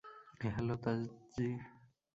Hello, তাদজি।